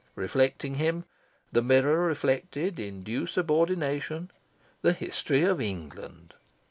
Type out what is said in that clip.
Reflecting him, the mirror reflected, in due subordination, the history of England.